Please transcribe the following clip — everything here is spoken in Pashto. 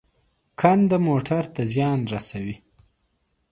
کنده موټر ته زیان رسوي.